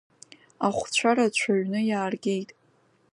Ахәцәа рацәаҩны иааргеит.